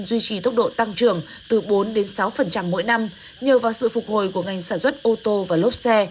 duy trì tốc độ tăng trưởng từ bốn sáu mỗi năm nhờ vào sự phục hồi của ngành sản xuất ô tô và lốp xe